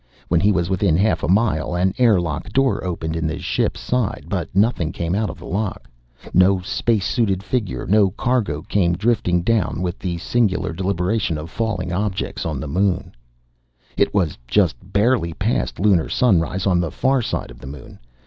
When he was within half a mile, an air lock door opened in the ship's side. But nothing came out of the lock. No space suited figure. No cargo came drifting down with the singular deliberation of falling objects on the Moon. It was just barely past lunar sunrise on the far side of the Moon.